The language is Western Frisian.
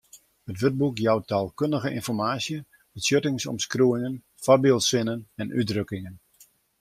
It wurdboek jout taalkundige ynformaasje, betsjuttingsomskriuwingen, foarbyldsinnen en útdrukkingen.